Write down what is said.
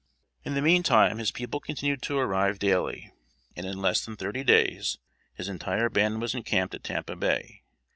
In the meantime, his people continued to arrive daily, and in less than thirty days, his entire band were encamped at Tampa Bay.